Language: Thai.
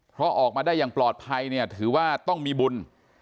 เพราะออกมาได้อย่างปลอดภัยเนี่ยถือว่าต้องมีบุญ